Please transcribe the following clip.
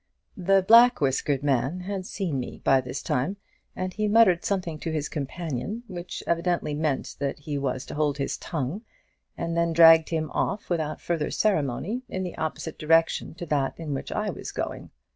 The black whiskered man had seen me by this time, and he muttered something to his companion, which evidently meant that he was to hold his tongue, and then dragged him off without further ceremony in the opposite direction to that in which I was going.